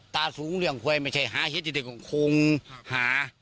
ตาสูงเรียงควัยไม่ใช่หาเฮ็ดจะได้คงหา